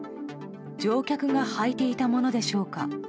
乗客がはいていたものでしょうか。